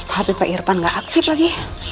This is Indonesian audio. hp pak irfan gak aktif lagi